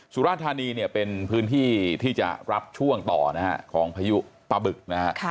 สุราธานีเนี่ยเป็นพื้นที่ที่จะรับช่วงต่อนะฮะของพายุปลาบึกนะฮะ